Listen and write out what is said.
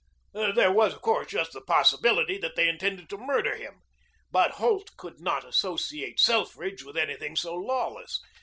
There was, of course, just the possibility that they intended to murder him, but Holt could not associate Selfridge with anything so lawless.